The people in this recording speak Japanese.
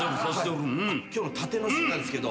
今日の殺陣のシーンなんですけど